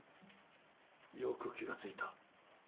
よく気が付いた。